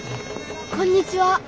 こんにちは。